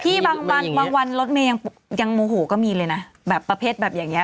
บางวันบางวันรถเมย์ยังโมโหก็มีเลยนะแบบประเภทแบบอย่างนี้